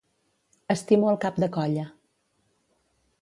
Estimo el cap de colla.